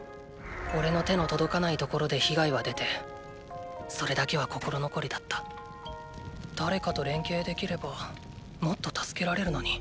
おれの手の届かない所で被害は出てそれだけは心残りだった誰かと連携できればもっと助けられるのに。